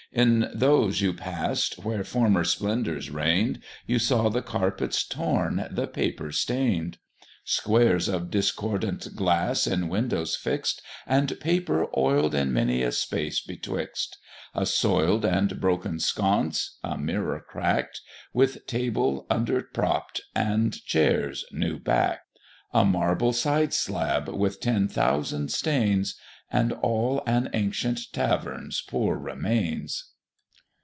In those you pass'd, where former splendour reign'd, You saw the carpets torn, the paper stain'd; Squares of discordant glass in windows fix'd, And paper oil'd in many a space betwixt; A soil'd and broken sconce, a mirror crack'd, With table underpropp'd, and chairs new back'd; A marble side slab with ten thousand stains, And all an ancient Tavern's poor remains.